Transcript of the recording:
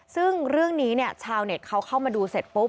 ซึ่งเรื่องนี้เนี่ยชาวเน็ตเขาเข้ามาดูเสร็จปุ๊บ